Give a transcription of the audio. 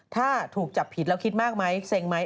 ถ้าถูกจับผิดเราคิดมากมั้ยเส็งมั้ย